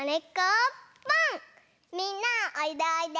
みんなおいでおいで！